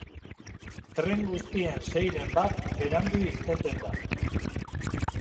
Tren guztien seiren bat berandu irteten da.